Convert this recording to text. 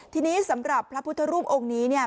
ทีนี้สำหรับพระพุทธรูปองค์นี้เนี่ย